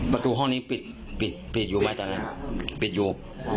ประตูห้องนี้ปิดอยู่บ้างจังนะครับปิดอยู่